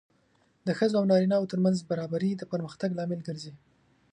د ښځو او نارینه وو ترمنځ برابري د پرمختګ لامل ګرځي.